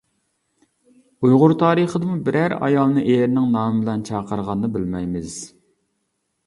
ئۇيغۇر تارىخىدىمۇ بىرەر ئايالنى ئېرىنىڭ نامى بىلەن چاقىرغاننى بىلمەيمىز.